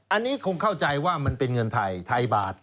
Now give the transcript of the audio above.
อันนี้คงเข้าใจว่ามันเป็นเงินไทยบาท